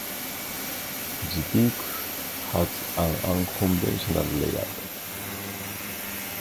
The vehicle has an unconventional layout.